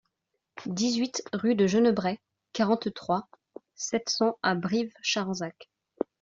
dix-huit rue de Genebret, quarante-trois, sept cents à Brives-Charensac